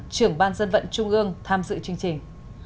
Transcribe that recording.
trưởng ban dân vận trung ương tham dự chương trình